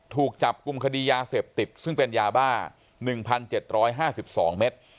ถูกจับกลุ่มคดียาเสพติดซึ่งเป็นยาบ้า๑๗๕๒เมตร